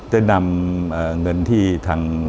ได้นำเงินที่ทาง